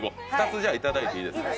２つじゃあいただいていいですか？